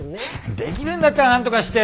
できるんだったらなんとかしてよ。